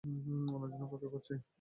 উনার জন্য অপেক্ষা করছি।